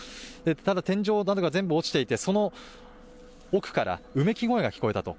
ただ、天井などが全部落ちていて、その奥からうめき声が聞こえたと。